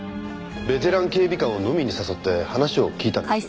ベテラン警備官を飲みに誘って話を聞いたんです。